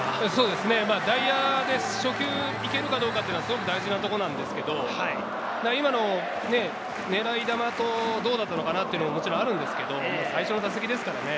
代打で初球行けるかどうかは大事なところなんですけれど、狙い球とどうだったのかなというのはあるんですが、最初の打席ですからね。